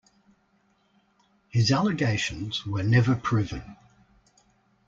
His allegations were never proven.